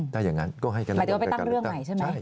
หมายถึงว่าไปตั้งเรื่องใหม่ใช่ไหม